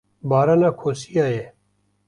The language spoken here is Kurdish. barana kosiya ye.